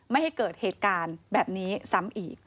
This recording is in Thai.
ไม่ให้เกิดเหตุการณ์แบบนี้ซ้ำอีก